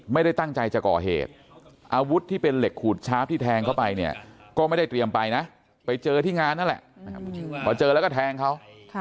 ไม่ได้ตั้งใจจะก่อเหตุอาวุธที่เป็นเหล็กขูดชาร์ฟที่แทงเข้าไปเนี่ยก็ไม่ได้เตรียมไปนะไปเจอที่งานนั่นแหละพอเจอแล้วก็แทงเขา